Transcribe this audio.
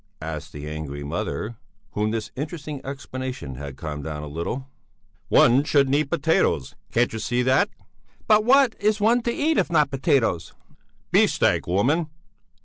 asked the angry mother, whom this interesting explanation had calmed down a little. "One shouldn't eat potatoes; can't you see that?" "But what is one to eat if not potatoes?" "Beef steak, woman!